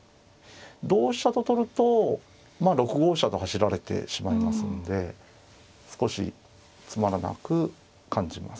同飛車と取るとまあ６五飛車と走られてしまいますんで少しつまらなく感じますね。